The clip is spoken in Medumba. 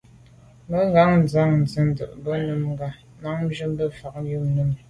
Mə́ gə nɛ̄n tsjə́ə̀də̄ bā núngā ndà’djú mə́ fá yɔ̀ mùní.